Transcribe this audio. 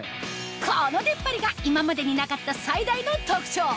この出っ張りが今までになかった最大の特徴